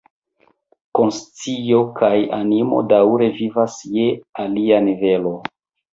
Konscio kaj animo daŭre vivas je alia nivelo.